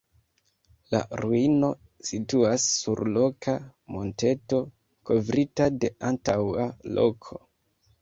La ruino situas sur roka monteto kovrita de antaŭa roko.